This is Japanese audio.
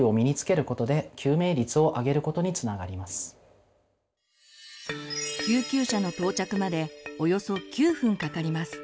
いずれも救急車の到着までおよそ９分かかります。